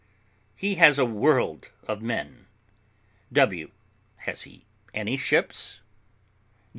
He has a world of men. W. Has he any ships?